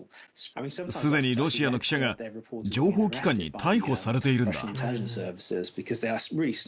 すでにロシアの記者が情報機関に逮捕されているんだ。